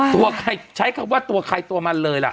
ตัวใครใช้คำว่าตัวใครตัวมันเลยล่ะ